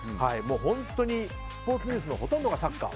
本当にスポーツニュースのほとんどがサッカー。